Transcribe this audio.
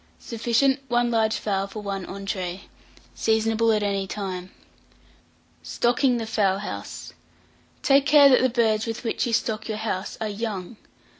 Sufficient. 1 large fowl for one entrée. Seasonable at any time. STOCKING THE FOWL HOUSE. Take care that the birds with which you stock your house are young.